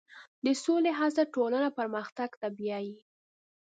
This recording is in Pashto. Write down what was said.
د سولې هڅې ټولنه پرمختګ ته بیایي.